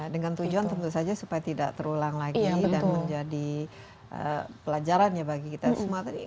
dengan tujuan tentu saja supaya tidak terulang lagi dan menjadi pelajaran ya bagi kita semua tadi